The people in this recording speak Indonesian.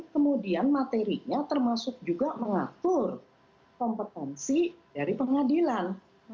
kemudian materinya termasuk juga mengatur kompetensi dari pengadilan